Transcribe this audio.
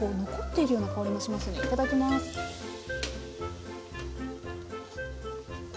いただきます。